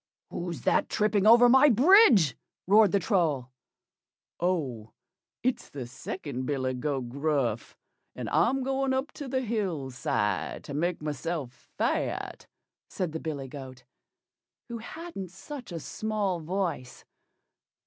"WHO'S THAT tripping over my bridge?" roared the Troll. "Oh! It's the second billy goat Gruff, and I'm going up to the hill side to make myself fat," said the billy goat, who hadn't such a small voice.